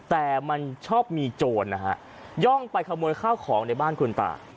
แต่มันชอบมีโจรนะฮะย่องไปขโมยข้าวของในบ้านคุณตา